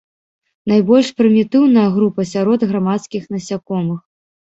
Найбольш прымітыўная група сярод грамадскіх насякомых.